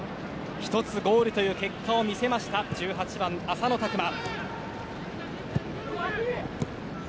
１つゴールという結果を見せた１８番の浅野拓磨。